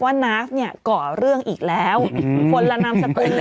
นาฟเนี่ยก่อเรื่องอีกแล้วคนละนามสกุลเลย